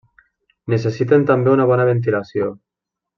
Necessiten també una bona ventilació.